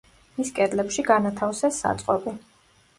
მის კედლებში განათავსეს საწყობი.